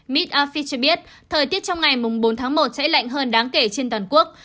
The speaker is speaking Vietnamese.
miss office cho biết thời tiết trong ngày bốn tháng một sẽ lạnh hơn đáng kể trên toàn quốc